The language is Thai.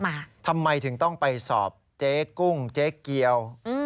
ไม่ได้เรียกมาทำไมถึงต้องไปสอบเจ๊กุ้งเจ๊เกียว